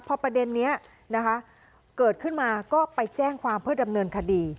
พอประเด็นนี้นะคะเกิดขึ้นมาก็ไปแจ้งความเพื่อดำเนินคดี